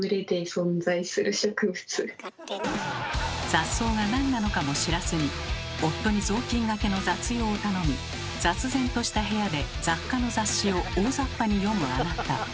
雑草がなんなのかも知らずに夫に雑巾がけの雑用を頼み雑然とした部屋で雑貨の雑誌を大雑把に読むあなた。